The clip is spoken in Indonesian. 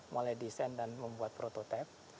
mulai desain dan membuat prototipe